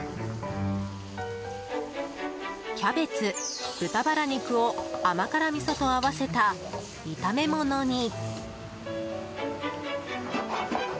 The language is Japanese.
キャベツ、豚バラ肉を甘辛みそと合わせた炒め物に。